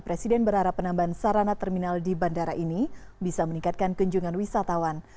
presiden berharap penambahan sarana terminal di bandara ini bisa meningkatkan kunjungan wisatawan